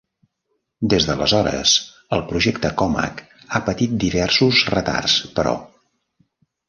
Des d'aleshores, el projecte Comac ha patit diversos retards però.